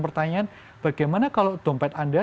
pertanyaan bagaimana kalau dompet anda